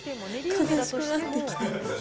悲しくなってきた。